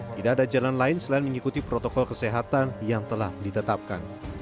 tidak ada jalan lain selain mengikuti protokol kesehatan yang telah ditetapkan